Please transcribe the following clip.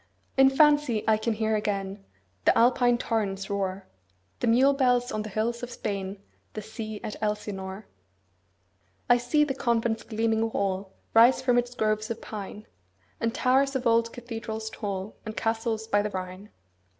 In fancy I can hear again The Alpine torrent's roar, The mule bells on the hills of Spain, 15 The sea at Elsinore. I see the convent's gleaming wall Rise from its groves of pine, And towers of old cathedrals tall, And castles by the Rhine.